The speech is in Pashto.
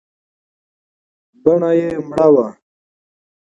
بڼه يې مړه وه .